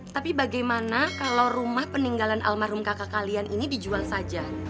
tapi bagaimana kalau rumah peninggalan almarhum kakak kalian ini dijual saja